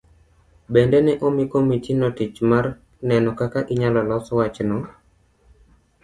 Bende ne omi komitino tich mar neno kaka inyalo los wachno?